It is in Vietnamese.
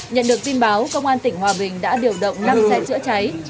nhận được tin báo công an tỉnh hòa bình đã điều động năm xe chữa cháy